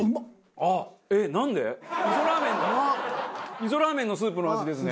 味噌ラーメンのスープの味ですね。